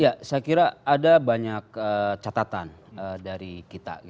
ya saya kira ada banyak catatan dari kita